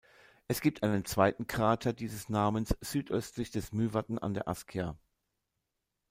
Es gibt einen zweiten Krater dieses Namens südöstlich des Mývatn an der Askja.